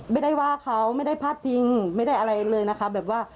ไม่ได้ว่าเขาไม่ได้พาดพิงไม่ได้อะไรเลยนะคะแบบว่า